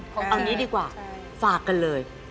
เอางี้ดีกว่าฝากกันเลย